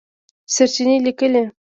سرچېنې لیکلي